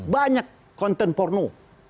banyak konten porno